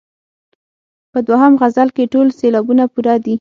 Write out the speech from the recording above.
په دوهم غزل کې ټول سېلابونه پوره دي.